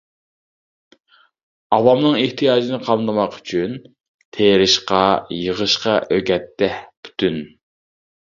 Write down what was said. ئاۋامنىڭ ئېھتىياجىنى قامدىماق ئۈچۈن، تېرىشقا، يىغىشقا ئۆگەتتى پۈتۈن.